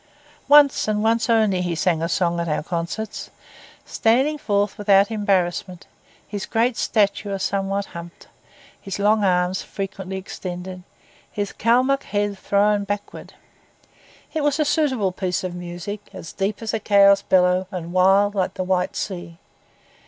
Once, and once only, he sang a song at our concerts; standing forth without embarrassment, his great stature somewhat humped, his long arms frequently extended, his Kalmuck head thrown backward. It was a suitable piece of music, as deep as a cow's bellow and wild like the White Sea.